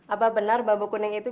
apa benar bambu kuning itu